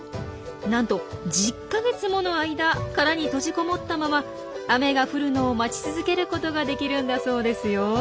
なんと１０か月もの間殻に閉じこもったまま雨が降るのを待ち続けることができるんだそうですよ。